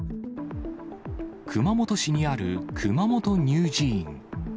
熊本市にある熊本乳児院。